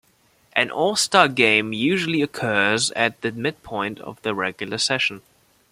An all-star game usually occurs at the midpoint of the regular season.